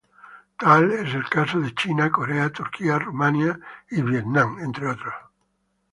Tal es el caso de China, Corea, Turquía, Rumania y Vietnam entre otros.